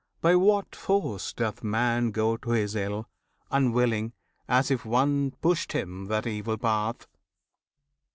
by what force doth man Go to his ill, unwilling; as if one Pushed him that evil path?